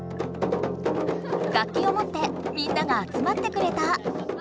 楽きをもってみんながあつまってくれた。